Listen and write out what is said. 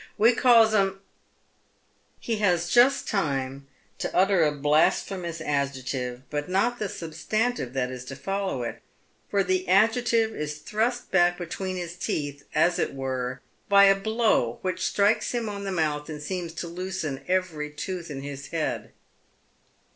We calls 'em " He has just time to utter a blasphemous adjective, but not the Bubstantive that is to follow it, for the adjective is thrust back between his teeih, as it were, by a blow which strikes him on the mouth and seems to loosen every tooth in his head.